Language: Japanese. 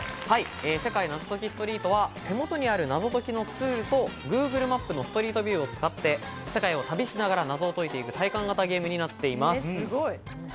『セカイナゾトキストリート』は、手元にある謎解きのツールと、Ｇｏｏｇｌｅマップのストリートビューを使って世界を旅しながら、謎を解いていく体験型ゲームです。